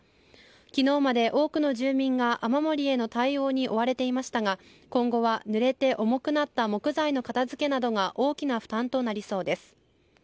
きのうまで多くの住民が雨漏りへの対応に追われていましたが、今後はぬれて重くなった木材の片づけなどが大きな負担となりそうです。